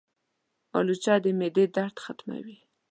الوچه د معدې درد ختموي.